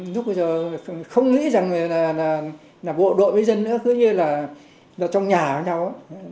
lúc bây giờ không nghĩ rằng là bộ đội với dân nữa cứ như là trong nhà với nhau